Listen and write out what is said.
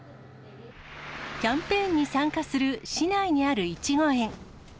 キャンペーンに参加する市内にあるいちご園。